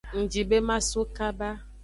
Ngji be maso kaba.